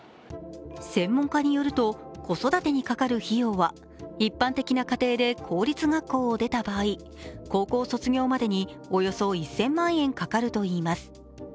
専門家によると子育てにかかる費用は一般的な家庭で公立学校を出た場合高校卒業までにおよそ１０００万円かかるといいます。